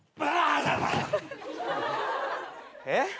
えっ？